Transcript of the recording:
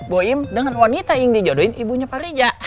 bo im dengan wanita yang dijodohin ibunya pak riza